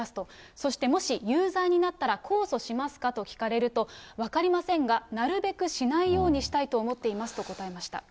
そしてもし、有罪になったら控訴しますかと聞かれると、分かりませんが、なるべくしないようにしたいと思っていますと答えました。